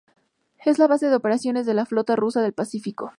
Es la base de operaciones de la flota rusa del Pacífico.